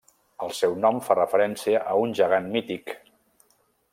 El seu nom fa referència a un gegant mític.